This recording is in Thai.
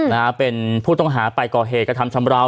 ไม่ต้องหาไปก่อเหตุกระทำชำเหลา